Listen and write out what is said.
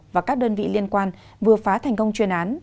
và các đơn vị liên quan vừa phá thành công chuyên án